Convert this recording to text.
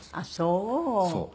あっそう！